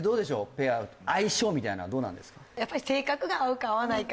ペア相性みたいなのはどうなんですか